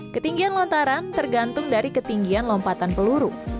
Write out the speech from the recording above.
ketinggian lontaran tergantung dari ketinggian lompatan peluru